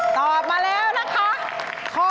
ตอบมาแล้วนะคะ